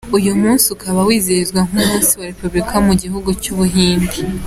Uyu munsi ukaba wizihizwa nk’umunsi wa Repubulika mu gihugu cy’ubuhinde.